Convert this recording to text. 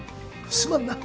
すまんな。